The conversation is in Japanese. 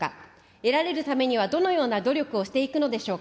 得られるためにはどのような努力をしていくのでしょうか。